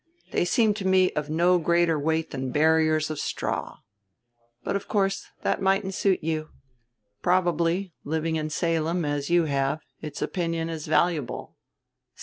They seem to me of no greater weight than barriers of straw. But, of course, that mightn't suit you; probably, living in Salem as you have, its opinion is valuable."